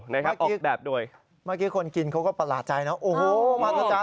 เมื่อกี้คนกินเขาก็ประหลาดใจนะ